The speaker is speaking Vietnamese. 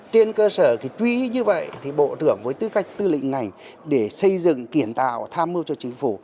trên cơ sở truy như vậy thì bộ trưởng với tư cách tư lĩnh ngành để xây dựng kiển tạo tham mưu cho chính phủ